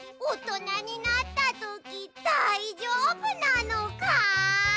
おとなになったときだいじょうぶなのか！？